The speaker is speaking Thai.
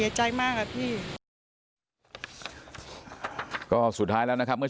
ตลอดทั้งคืนตลอดทั้งคืน